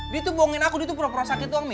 dia tuh bohongin aku dia tuh pro pro sakit doang mi